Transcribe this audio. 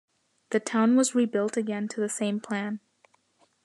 The town was rebuilt again to the same plan.